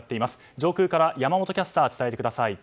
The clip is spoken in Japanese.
上空から山本キャスター伝えてください。